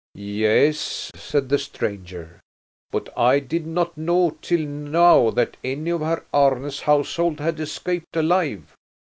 "Yes," said the stranger, "but I did not know till now that any of Herr Arne's household had escaped alive."